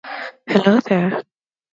Hello there